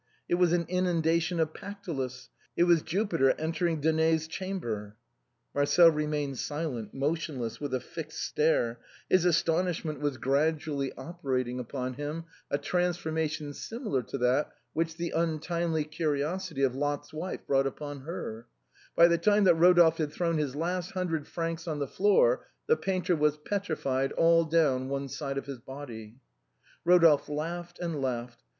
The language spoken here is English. It was an inundation of Pactolus; it was Ju piter entering Danae's chamber. Marcel remained silent, motionless, with a fixed stare ; his 84 THE BOHEMIANS OF THE LATIN QUARTEB. astonishniont was graduall}' operating upon him a trans formation similar to that which the untimely curiosity of Lot's wife brought upon her: by the time that Rodolphe had thrown his last hundred francs on the floor, the painter was petrified all down one side of his body. Eodolphe laughed and laughed.